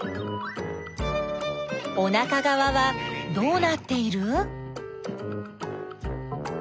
おなかがわはどうなっている？